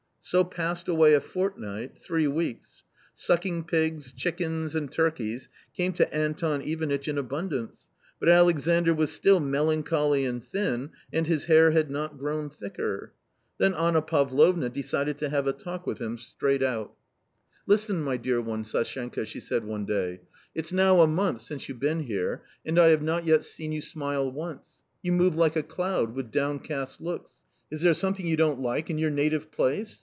So passed away a fortnight, three weeks. Sucking pigs, chickens, and turkeys came to Anton Ivanitch in abundance, but Alex andr was still melancholy and thin, and his hair had not grown thicker. Then Anna Pavlovna decided to have a talk with him straight out A COMMON STORY 253 " Listen, my dear one, Sashenka," she said one day, " it's now a month since you've been here, and I have not yet seen you smile once ; you move like a cloud, with downcast looks. Is there something you don't like in your native place